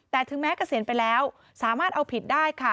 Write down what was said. แต่ถึงแม้เกษียณไปแล้วสามารถเอาผิดได้ค่ะ